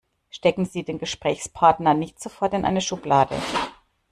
Stecken Sie den Gesprächspartner nicht sofort in eine Schublade.